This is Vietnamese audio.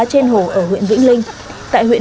trên hồ ở huyện vĩnh linh tại huyện